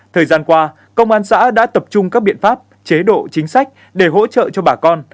thời gian qua công an xã đã tập trung các biện pháp chế độ chính sách để hỗ trợ cho bà con